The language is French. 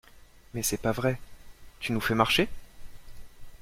Mais c’est pas vrai… Tu nous fais marcher?